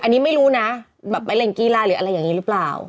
อันนี้ไม่รู้นะแบบไปเล่นกีฬาหรืออะไรอย่างนี้หรือเปล่า